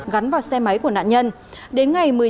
gắn vào xe máy của nạn nhân đến ngày